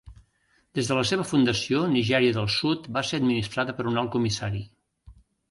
Des de la seva fundació Nigèria del Sud va ser administrada per un alt comissari.